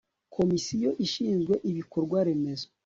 komisiyo ishinzwe ibikorwa remezo